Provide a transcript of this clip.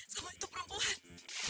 sama itu perempuan